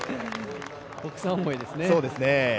奥さん思いですね。